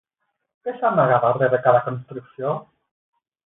Què s’amaga darrere cada construcció?